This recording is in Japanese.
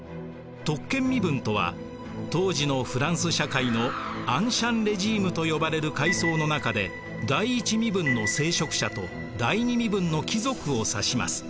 特権身分とは当時のフランス社会のアンシャン・レジームと呼ばれる階層の中で第一身分の聖職者と第二身分の貴族を指します。